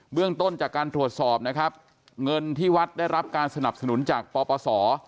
เรื่องต้นจากการตรวจสอบนะครับเงินที่วัดได้รับการสนับสนุนจากปปศ